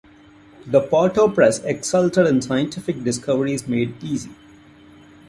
The Potter press exulted in scientific discoveries made easy.